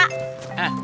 buka pintunya pak